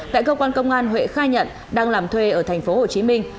tại cơ quan công an huệ khai nhận đang làm thuê ở thành phố hồ chí minh